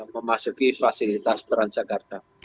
memasuki fasilitas transjakarta